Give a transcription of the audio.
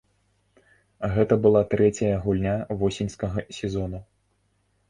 Гэта была трэцяя гульня восеньскага сезону.